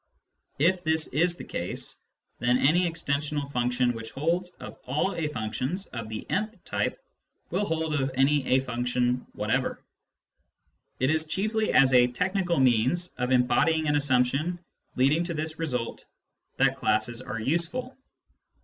If this is the case, then any extensional function which holds of all a functions of the n th type will hold of any a function whatever. It is chiefly as a technical means of embodying an assumption leading to this result that classes are useful.